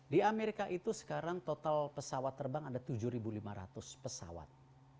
di amerika itu sekarang total pesawat terbang ada tujuh lima ratus pesawat